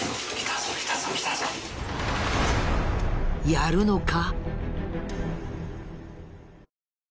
やるのか？